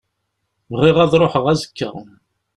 Bɣiɣ ad ṛuḥeɣ azekka.